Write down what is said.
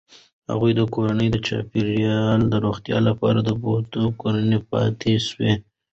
هغې د کورني چاپیریال د روغتیا لپاره د بوټو کرنې پام ساتي.